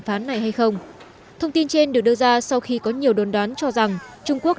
phán này hay không thông tin trên được đưa ra sau khi có nhiều đồn đoán cho rằng trung quốc